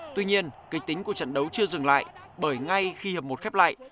tuy nhiên kịch tính của trận đấu chưa dừng lại bởi ngay khi hợp một khép lại